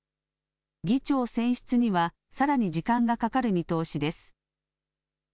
議長選出にはさらに時間がかかる見通しです。